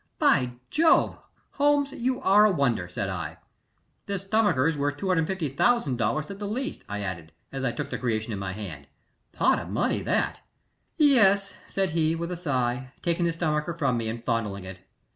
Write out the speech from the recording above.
"By Jove! Holmes, you are a wonder," said I. "This stomacher is worth $250,000 at the least," I added, as I took the creation in my hand. "Pot of money that!" "Yes," said he, with a sigh, taking the stomacher from me and fondling it.